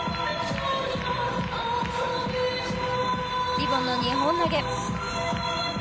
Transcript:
リボンの２本投げ。